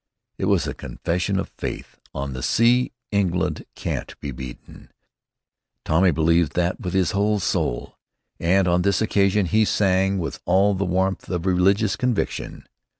It was a confession of faith. On the sea England can't be beaten. Tommy believes that with his whole soul, and on this occasion he sang with all the warmth of religious conviction.